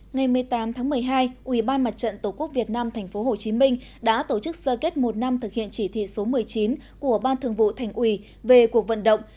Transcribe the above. ngày một mươi tám tháng một mươi hai ủy ban mặt trận tổ quốc việt nam tp hcm đã tổ chức sơ kết một năm thực hiện chỉ thị số một mươi chín của ban thường vụ thành ủy về cuộc vận động